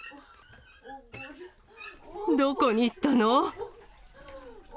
どこに行ったの？